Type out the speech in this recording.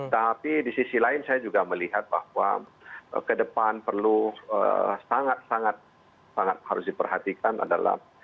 tapi di sisi lain saya juga melihat bahwa ke depan perlu sangat sangat harus diperhatikan adalah